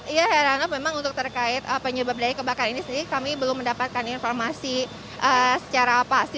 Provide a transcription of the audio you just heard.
iya herano memang untuk terkait penyebab dari kebakaran ini sendiri kami belum mendapatkan informasi secara pasti